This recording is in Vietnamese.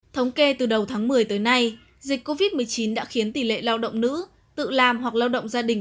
thống kê từ đầu tháng một mươi tới nay dịch covid một mươi chín đã khiến tỷ lệ lao động nữ tự làm hoặc lao động gia đình